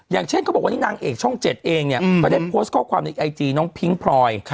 อย่างเช่นเขาบอกว่านี่นางเอกช่อง๗เองเนี่ยก็ได้โพสต์ข้อความในไอจีน้องพิ้งพลอย